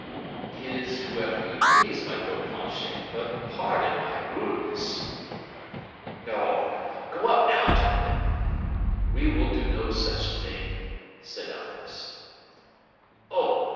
"It is whoever you please, my good Planchet; but pardon my rudeness." "No, no; go up now, gentlemen." "We will do no such thing," said Athos. "Oh!